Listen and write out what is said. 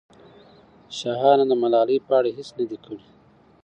شاهانو د ملالۍ په اړه هېڅ نه دي کړي.